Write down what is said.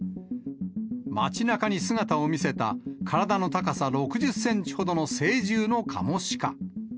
町なかに姿を見せた体の高さ６０センチほどの成獣のカモシカ。